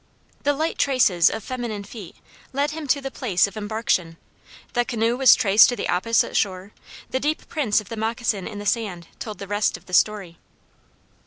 The light traces of feminine feet led him to the place of embarkation; the canoe was traced to the opposite shore; the deep prints of the moccasin in the sand told the rest of the story.